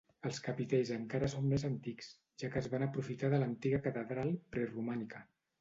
Els capitells encara són més antics, ja que es van aprofitar de l'antiga catedral preromànica.